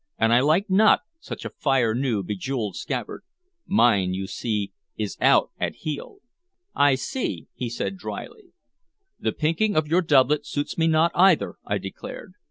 "And I like not such a fire new, bejeweled scabbard. Mine, you see, is out at heel." "I see," he said dryly. "The pinking of your doublet suits me not, either," I declared.